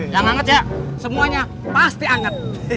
yang hangat ya semuanya pasti hangat